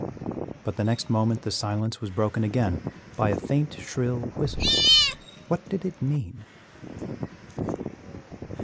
But the next moment the silence was broken again by a faint, shrill whistle; what did it mean?